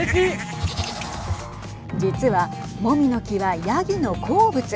実は、もみの木はやぎの好物。